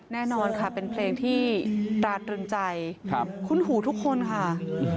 แน่นอนค่ะเป็นเพลงที่ตราตรึงใจคุ้นหูทุกคนค่ะ